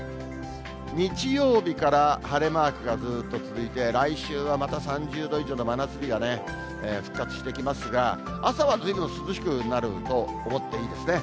日曜日から晴れマークがずっと続いて、来週はまた３０度以上の真夏日が復活してきますが、朝は涼しくなると思っていいですね。